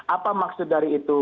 apa maksud dari itu